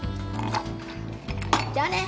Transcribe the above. じゃあね。